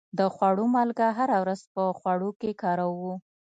د خوړو مالګه هره ورځ په خوړو کې کاروو.